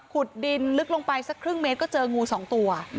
ขุดดินลึกลงไปสักครึ่งเมตรก็เจองู๒ตัว